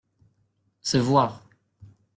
Se voir.